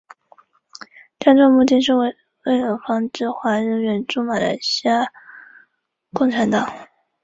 这样做的目的是为了防止华人援助马来亚共产党。